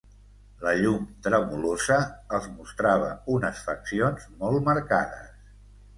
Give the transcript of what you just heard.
La llum tremolosa els mostrava unes faccions molt marcades.